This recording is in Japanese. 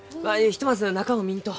ひとまず中を見んと。